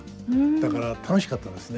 だから楽しかったですね。